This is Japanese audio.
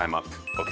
ＯＫ。